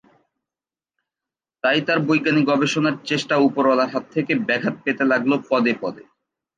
তাই তাঁর বৈজ্ঞানিক গবেষণার চেষ্টা উপরওআলার হাত থেকে ব্যাঘাত পেতে লাগল পদে পদে।